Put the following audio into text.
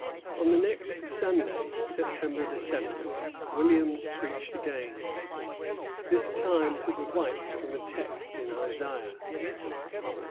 On the next Sunday, September seventh, Williams preached again, this time to the whites from a text in Isaiah.